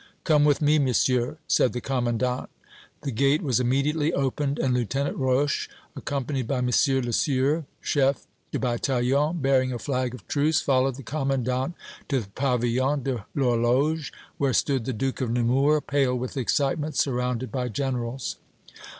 "Come with me, Monsieur," said the commandant. The gate was immediately opened, and Lieutenant Roche, accompanied by M. Leseur, chef de bataillon, bearing a flag of truce, followed the commandant to the Pavillon de l'Horloge, where stood the Duke of Nemours, pale with excitement, surrounded by generals.